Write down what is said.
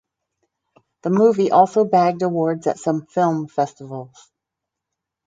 The movie also bagged awards at some film festivals.